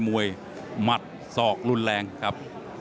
มวยมัดองดศอกรุนแรงครับ